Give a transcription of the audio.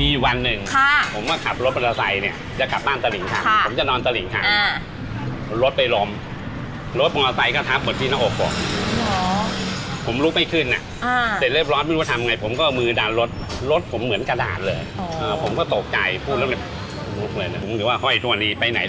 มีตาเท้งด้วยตาเท้งนี่เพิ่งได้มาไม่นานแต่ต้องปิดทองทุกวัน